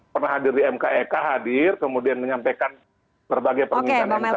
pernah hadir di mkek hadir kemudian menyampaikan berbagai permintaan mk